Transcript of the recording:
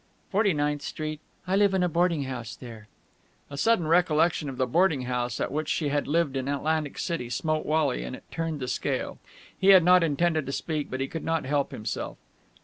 "Forty ninth Street. I live in a boarding house there." A sudden recollection of the boarding house at which she had lived in Atlantic City smote Wally, and it turned the scale. He had not intended to speak, but he could not help himself.